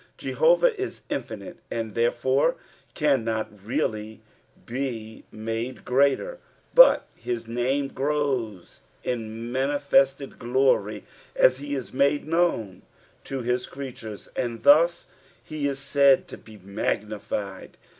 Jehovah is infinite, and therefore cannot really be made greater, but his name grows in manifested glory as he is made known to his cieatures, and thus he is said to be magnified.